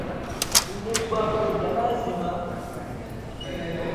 Tuneegwaako edda laazima!